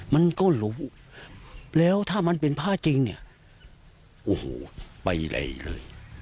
มันก็รู้แล้วถ้ามันเป็นผ้าจริงเนี่ยโอ้โหไปไหนเลย